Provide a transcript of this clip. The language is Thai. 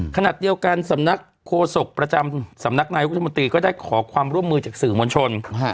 ขนาดเดียวกันสำนักโคศกประจำสำนักนายรัฐมนตรีก็ได้ขอความร่วมมือจากสื่อมวลชน